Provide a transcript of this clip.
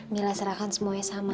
mila serahkan semuanya sama ma ya